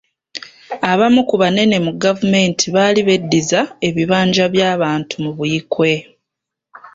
Abamu ku banene mu gavumenti baali beddiza ebibanja by'abantu mu Buikwe.